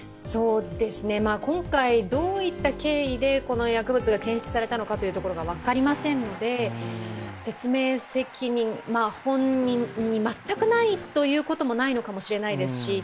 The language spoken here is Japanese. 今回どういった経緯でこの薬物が検出されたのか分かりませんので説明責任、本人に全くないということもないのかもしれないですし。